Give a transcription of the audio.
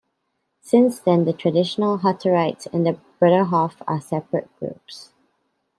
Since then the traditional Hutterites and the Bruderhof are separate groups.